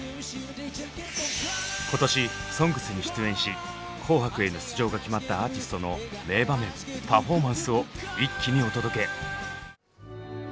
今年「ＳＯＮＧＳ」に出演し「紅白」への出場が決まったアーティストの名場面パフォーマンスを一気にお届け！